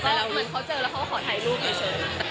แล้วเหมือนเขาเจอแล้วเขาก็ขอถ่ายรูปเฉย